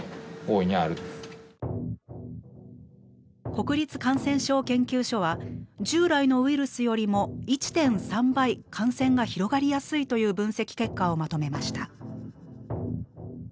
国立感染症研究所は従来のウイルスよりも１．３倍感染が広がりやすいという分析結果をまとめました。